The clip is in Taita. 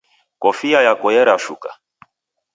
Kofia yako yerashuka